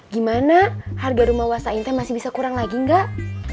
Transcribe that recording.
gimana harga rumah wasain teh masih bisa kurang lagi gak